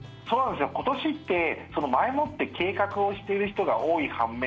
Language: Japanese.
今年って、前もって計画をしている人が多い半面